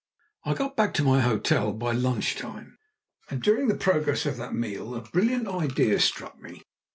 I got back to my hotel by lunch time, and during the progress of that meal a brilliant idea struck me.